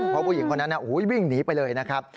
เพราะผู้หญิงคนนั้นวิ่งหนีไปเลยนะครับ